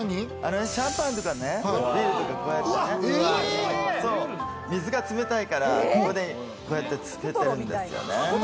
シャンパンとかね、ビールとか、こうやってね、水が冷たいから、ここでこうやってつけてるんですよね。